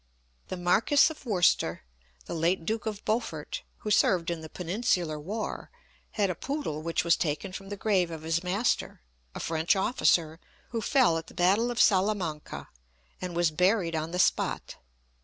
The Marquess of Worcester (the late Duke of Beaufort), who served in the Peninsular war, had a poodle which was taken from the grave of his master, a French officer, who fell at the battle of Salamanca, and was buried on the spot.